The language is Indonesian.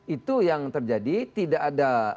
itu yang terjadi tidak ada